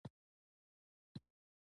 په دې ښوونځي کې د ګڼو ژبو درس ورکول کیږي